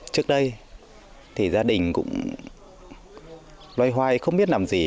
trước đây thì gia đình cũng loay hoay không biết làm gì